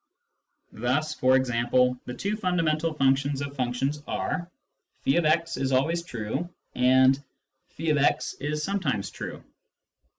Thus, for example, the two fundamental functions of functions are :" <f>x is always true " and " <f>x is sometimes true."